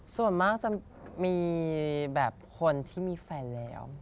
ส่วนมากจะมีแบบคนที่มีแฟนแล้ว